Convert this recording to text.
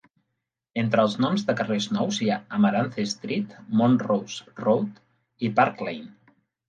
Entre els noms de carrers nous hi ha Amaranth Street, Montrose Road i Park Lane.